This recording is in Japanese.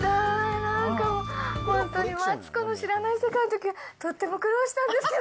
なんかもう、本当に、マツコの知らない世界のときは、とっても苦労したんですけど。